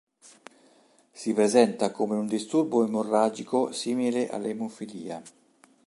Si presenta come un disturbo emorragico simile all'emofilia.